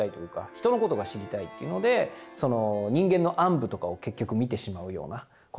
人のことが知りたいっていうのでその人間の暗部とかを結局見てしまうようなことになるわけですよね。